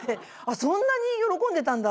そんなに喜んでたんだ！と思って。